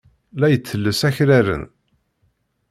La yettelles akraren.